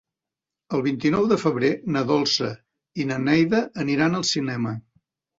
El vint-i-nou de febrer na Dolça i na Neida aniran al cinema.